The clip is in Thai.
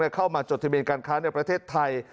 เข้ามาจดทะเบียนการค้าในประเทศไทย